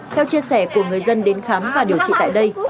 theo chia sẻ của người dân đến khám và điều trị tại đây